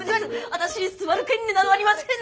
私に座る権利などありませんので！